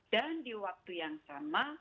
dan di waktu yang sama